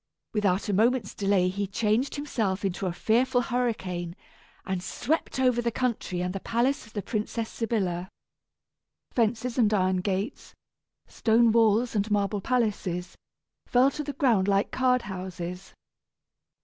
Without a moment's delay he changed himself into a fearful hurricane, and swept over the country and the palace of the Princess Sybilla. Fences and iron gates, stone walls and marble palaces fell to the ground like card houses.